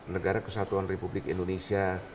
negara kesatuan republik indonesia